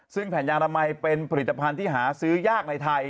ซึ่งแผ่นยางอนามัยเป็นผลิตภัณฑ์ที่หาซื้อยากในไทย